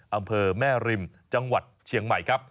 อำเภอแม่ริมจังหวัดเชียงใหม่ครับ